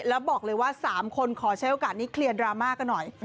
แล้วบอกเลยว่า๓คนขอใช้โอกาสนี้เคลียร์ดราม่ากันหน่อย